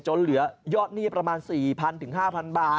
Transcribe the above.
เหลือยอดหนี้ประมาณ๔๐๐๕๐๐บาท